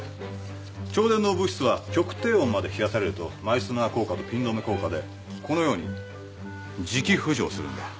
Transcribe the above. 超電導物質は極低温まで冷やされるとマイスナー効果とピン止め効果でこのように磁気浮上するんだ。